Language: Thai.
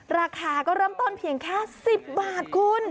ราคาก็เริ่มต้นเพียงแค่๑๐บาทคุณ